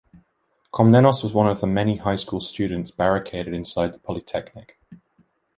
Komnenos was one of the many high school students barricaded inside the Polytechnic.